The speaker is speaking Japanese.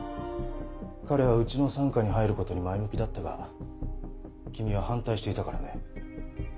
彼はうちの傘下に入る事に前向きだったが君は反対していたからね。